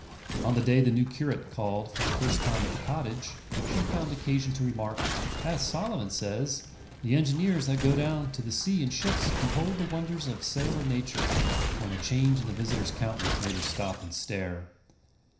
On the day the new curate called for the first time at the cottage, she found occasion to remark, "As Solomon says: 'the engineers that go down to the sea in ships behold the wonders of sailor nature';" when a change in the visitor's countenance made her stop and stare.